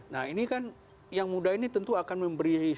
nah ini kan yang muda ini tentu akan memberi